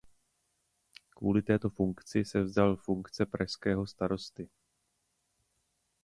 Kvůli této funkci se vzdal funkce pražského starosty..